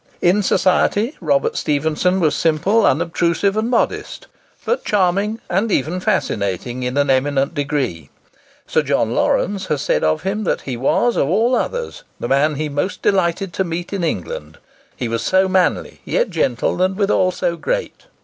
In society Robert Stephenson was simple, unobtrusive, and modest; but charming and even fascinating in an eminent degree. Sir John Lawrence has said of him that he was, of all others, the man he most delighted to meet in England—he was so manly, yet gentle, and withal so great.